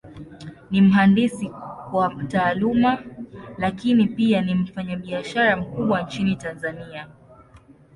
Ni mhandisi kwa Taaluma, Lakini pia ni mfanyabiashara mkubwa Nchini Tanzania.